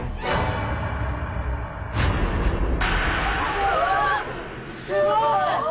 うわあすごい！